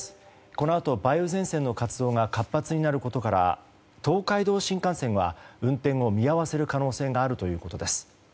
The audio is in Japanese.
このあと梅雨前線の活動が活発になることから東海道新幹線が運転を見合わせる可能性があるということです。